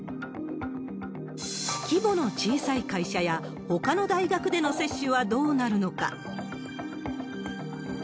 規模の小さい会社や、ほかの大学での接種はどうなるのか。